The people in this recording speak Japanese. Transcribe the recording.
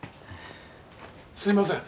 すみません。